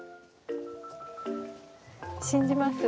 信じます。